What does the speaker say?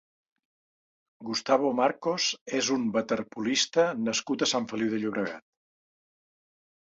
Gustavo Marcos és un waterpolista nascut a Sant Feliu de Llobregat.